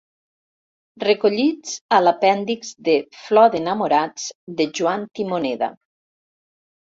Recollits a l'apèndix de Flor d'enamorats de Joan Timoneda.